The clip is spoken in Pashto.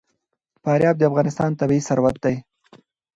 فاریاب د افغانستان طبعي ثروت دی.